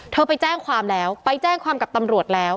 ไปแจ้งความแล้วไปแจ้งความกับตำรวจแล้ว